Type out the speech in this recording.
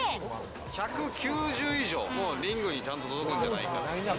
１９０以上、もうリングにちゃんと届くんじゃないか。